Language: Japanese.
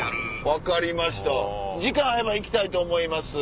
分かりました時間合えば行きたいと思います。